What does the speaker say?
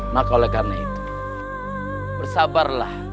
maka oleh karena itu bersabarlah